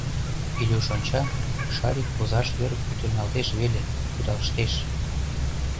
Илюш онча, Шарик озаж йыр пӱтырналтеш веле, кудалыштеш.